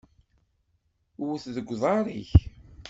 Wwet deg uḍar-ik!